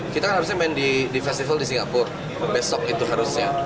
kita kan harusnya main di festival di singapura besok itu harusnya